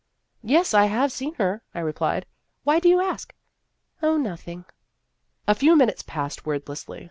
" Yes, I have seen her," I replied. " Why do you ask ?"" Oh, nothing." A few minutes passed wordlessly.